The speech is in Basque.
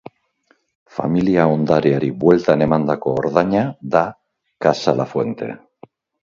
Familia ondareari bueltan emandako ordaina da Casa Lafuente.